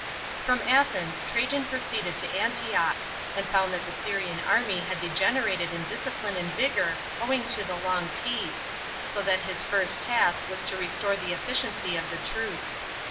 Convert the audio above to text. *§ 11. From Athens Trajan proceeded to Antioch, and found that the Syrian army had degenerated in discipline and vigour owing to the long peace, so that his first task was to restore the efficiency of the troops.